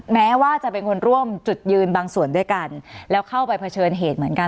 แม้ว่าจะเป็นคนร่วมจุดยืนบางส่วนด้วยกันแล้วเข้าไปเผชิญเหตุเหมือนกัน